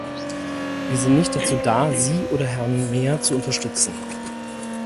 Wir sind nicht dazu da, Sie oder Herrn Mer zu unterstützen.